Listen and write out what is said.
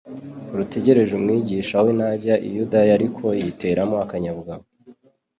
rutegereje Umwigisha we najya i Yudaya, ariko yiteramo akanyabugabo,